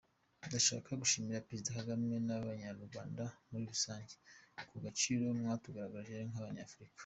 Ndashaka gushimira Perezida Kagame n’Abanyarwanda muri rusange ku gaciro mwatugaruriye nk’Abanyafurika.